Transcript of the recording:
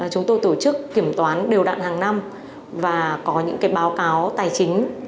chúng tôi tổ chức kiểm toán đều đạn hàng năm và có những báo cáo tài chính